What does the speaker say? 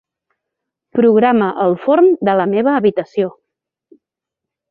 Programa el forn de la meva habitació.